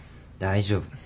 大丈夫。